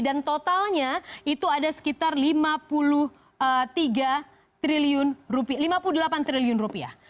dan totalnya itu ada sekitar lima puluh delapan triliun rupiah